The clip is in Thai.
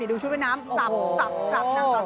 ดูชุดไว้น้ำสับนั่งสอบ